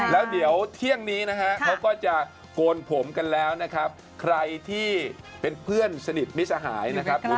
แล้วเดี๋ยวเที่ยงนี้นะฮะเขาก็จะโกนผมกันแล้วนะครับ